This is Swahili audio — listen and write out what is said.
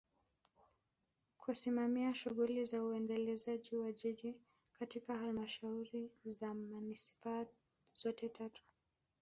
Kusimamia shughuli za uendelezaji wa Jiji katika Halmashauri za Manispaa zote tatu